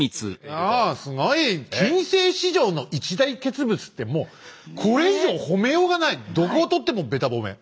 ああすごい「近世史上の一大傑物」ってもうこれ以上褒めようがないどこを取ってもべた褒め。